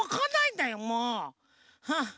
はあ。